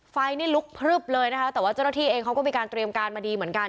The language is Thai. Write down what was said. ไฟนี่ลุกพลึบเลยนะคะแต่ว่าเจ้าหน้าที่เองเขาก็มีการเตรียมการมาดีเหมือนกัน